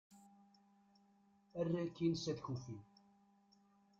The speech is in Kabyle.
err akin s at kufi